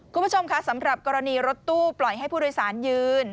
คุณผู้ชมคะสำหรับกรณีรถตู้ปล่อยให้ผู้โดยสารยืน